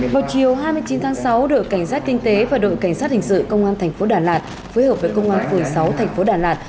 vào chiều hai mươi chín tháng sáu đội cảnh sát kinh tế và đội cảnh sát hình sự công an tp đà lạt phối hợp với công an phường sáu tp đà lạt